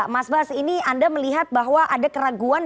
mas bas ini anda melihat bahwa ada keraguan